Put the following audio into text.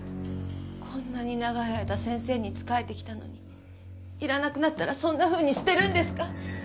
こんなに長い間先生に仕えてきたのにいらなくなったらそんなふうに捨てるんですか？